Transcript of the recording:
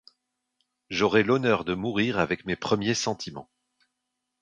J'aurai l'honneur de mourir avec mes premiers sentiments.